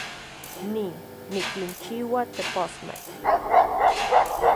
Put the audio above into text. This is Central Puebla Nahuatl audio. Ni, nikinchiua teposmej